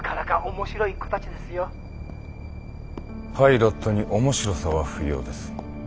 パイロットに面白さは不要です。